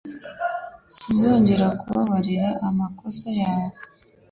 Sinzongera kubabarira amakosa yawe.